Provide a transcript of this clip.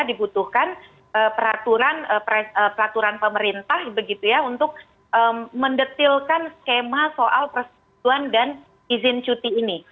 dibutuhkan peraturan pemerintah begitu ya untuk mendetilkan skema soal persetujuan dan izin cuti ini